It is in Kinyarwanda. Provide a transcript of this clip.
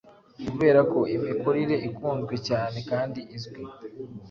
Kuberako imikurire ikunzwe cyane, kandi izwi